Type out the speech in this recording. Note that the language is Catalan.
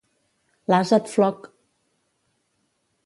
L'ase et floc!